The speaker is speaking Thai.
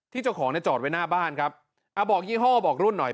เจ้าของเนี่ยจอดไว้หน้าบ้านครับอ่าบอกยี่ห้อบอกรุ่นหน่อย